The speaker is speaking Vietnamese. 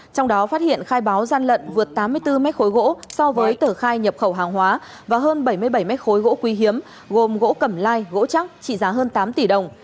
trong đó phát hiện khai báo gian lận vượt tám mươi bốn mét khối gỗ so với tờ khai nhập khẩu hàng hóa và hơn bảy mươi bảy mét khối gỗ quý hiếm gồm gỗ cẩm lai gỗ chắc trị giá hơn tám tỷ đồng